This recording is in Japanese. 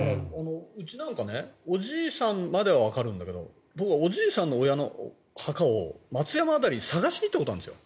うちなんかおじいさんまではわかるんだけど僕はおじいさんの親の墓を松山辺りに探しに行ったことがあるんです。